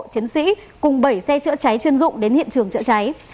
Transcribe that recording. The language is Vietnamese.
chiến sĩ cùng bảy xe chữa cháy chuyên dụng đến hiện trường chữa cháy